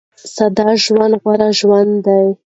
ساده ژوند غوره ژوند دی.